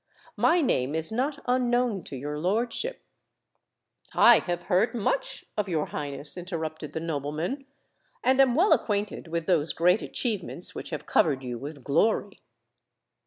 My name is not unknown to your lordship——" "I have heard much of your Highness," interrupted the nobleman; "and am well acquainted with those great achievements which have covered you with glory."